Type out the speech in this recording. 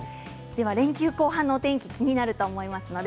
連休後半のお天気気になると思います。